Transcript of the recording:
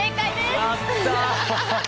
やった！